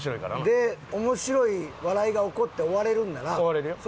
で面白い笑いが起こって終われるんならそれはもう。